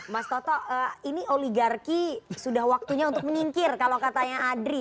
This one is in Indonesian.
mas toto ini oligarki sudah waktunya untuk menyingkir kalau katanya adri